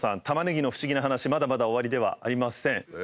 タマネギの不思議な話まだまだ終わりではありません。